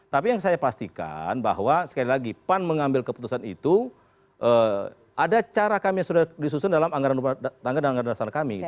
tapi yang saya pastikan bahwa sekali lagi pan mengambil keputusan itu ada cara kami yang sudah disusun dalam anggaran rumah tangga dan anggaran dasar kami